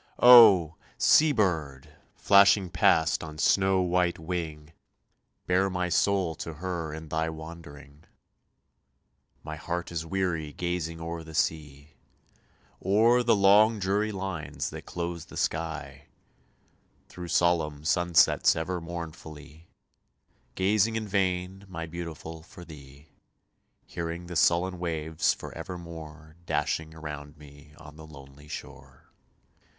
Oh! sea bird, flashing past on snow white wing, Bear my soul to her in thy wandering. My heart is weary gazing o'er the sea; O'er the long dreary lines that close the sky; Through solemn sun sets ever mournfully, Gazing in vain, my Beautiful, for thee; Hearing the sullen waves for evermore Dashing around me on the lonely shore.